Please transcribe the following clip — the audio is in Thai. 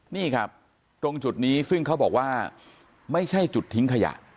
นี่ครับตรงจุดนี้ซึ่งเขาบอกว่าไม่ใช่จุดทิ้งขยะ